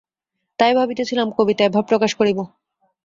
তাই ভাবিতেছিলাম, কবিতায় ভাব প্রকাশ করিব।